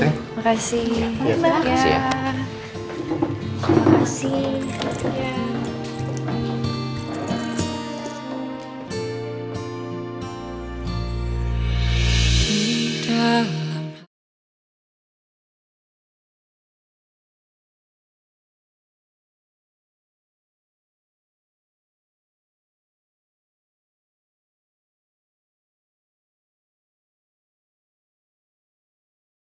terima kasih ya